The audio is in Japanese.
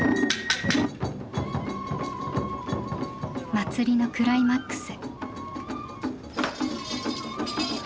祭りのクライマックス。